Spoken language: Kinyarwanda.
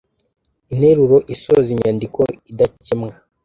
interuro isoza inyandiko idakemwa.